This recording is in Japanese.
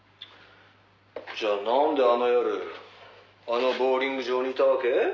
「じゃあなんであの夜あのボウリング場にいたわけ？」